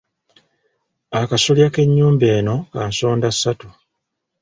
Akasolya k'ennyumba eno ka nsondassatu.